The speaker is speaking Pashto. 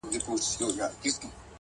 ورور هم فشار للاندي دی او خپل عمل پټوي,